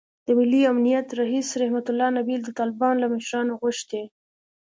د ملي امنیت رییس رحمتالله نبیل د طالبانو له مشرانو غوښتي